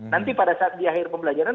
nanti pada saat di akhir pembelajaran